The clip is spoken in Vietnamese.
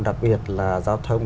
đặc biệt là giao thông